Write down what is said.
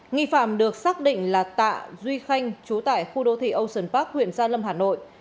nghi phạm được xác định là tạ duy khanh chú tại khu đô thị ocean park huyện gia lâm hà nội